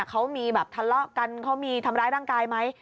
เขามีแบบทะเลาะกันเขามีทำร้ายร่างกายไหม